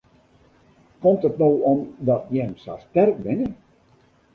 Komt it no omdat jim sa sterk binne?